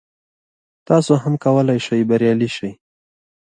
تاسو هم کولای شئ بریالي شئ.